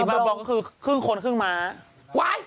ม้าบรองคือครึ่งคนครึ่งม้าป้ายมึงร้อย